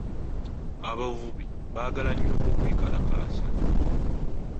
Abavubi baagala nnyo okwekalakaasa.